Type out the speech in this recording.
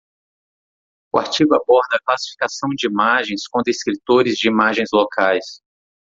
O artigo aborda a classificação de imagens com descritores de imagens locais.